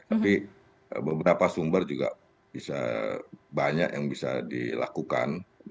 tapi beberapa sumber juga bisa banyak yang bisa dilakukan